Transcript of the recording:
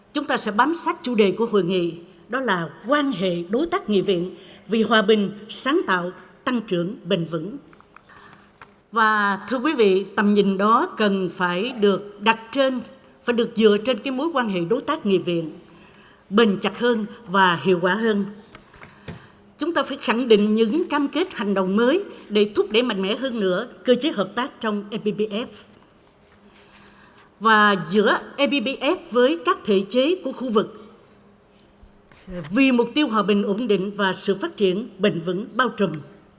chúng ta cũng cam kết hành động mới để thúc đẩy mạnh mẽ hơn nữa cơ chế hợp tác trong appf và giữa appf với các thể chế của khu vực vì mục tiêu hòa bình ổn định và sự phát triển bền vững bao trùm